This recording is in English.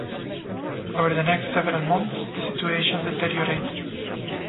Over the next several months, the situation deteriorated.